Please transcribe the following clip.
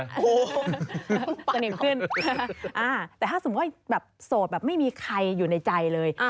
แต่ถ้าสมมุติถ้าสมมุติแบบโสดแบบไม่มีใครอยู่ในใจเลย